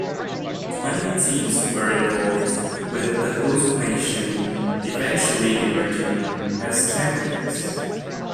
Twenty teams were involved, with the host nation eventually emerging as champions.